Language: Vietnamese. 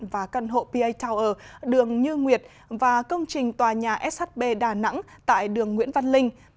và căn hộ pa tower đường như nguyệt và công trình tòa nhà shb đà nẵng tại đường nguyễn văn linh